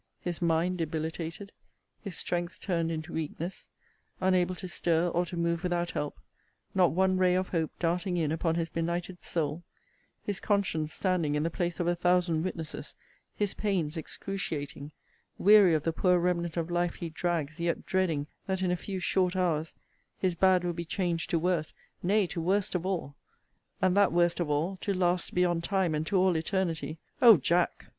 his mind debilitated; his strength turned into weakness; unable to stir or to move without help; not one ray of hope darting in upon his benighted soul; his conscience standing in the place of a thousand witnesses; his pains excruciating; weary of the poor remnant of life he drags, yet dreading, that, in a few short hours, his bad will be changed to worse, nay, to worst of all; and that worst of all, to last beyond time and to all eternity; O Jack!